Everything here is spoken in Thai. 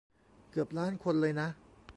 เกือบล้านคนเลยนะ